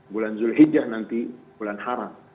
bulan zul hijjah nanti bulan haram